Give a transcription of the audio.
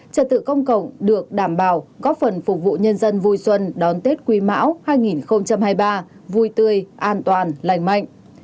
trật tự công cộng được đảm bảo góp phần phục vụ nhân dân vui xuân đón tết quý mão hai nghìn hai mươi ba vui tươi an toàn lành mạnh